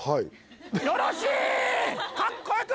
よろしい！